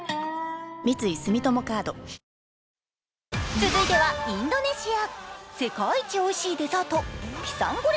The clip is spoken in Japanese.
続いてはインドネシア。